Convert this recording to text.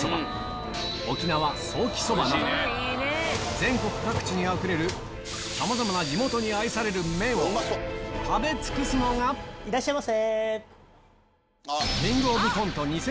全国各地にあふれるさまざまな地元に愛される麺を食べ尽くすのがいらっしゃいませ！